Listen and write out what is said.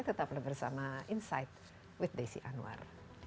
tetaplah bersama insight with desi anwar